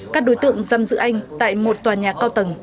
các đối tượng giam giữ anh tại một tòa nhà cao tầng